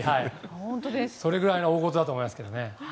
それぐらいの大ごとだと思います。